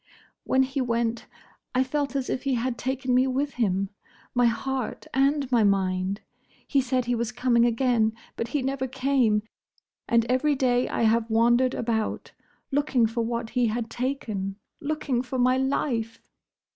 "When he went, I felt as if he had taken me with him: my heart and my mind. He said he was coming again—but he never came; and every day I have wandered about; looking for what he had taken; looking for my life!"